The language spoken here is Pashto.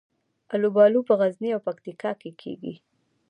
الوبالو په غزني او پکتیکا کې کیږي